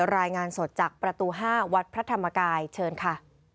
รายงานสดจากประตู๕วัดพระธรรมกายเชิญค่ะ